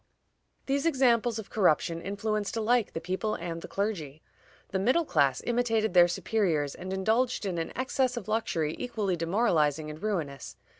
These examples of corruption influenced alike the people and the clergy. The middle class imitated their superiors, and indulged in an excess of luxury equally demoralizing and ruinous.